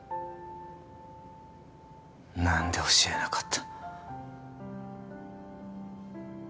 何で教えなかった？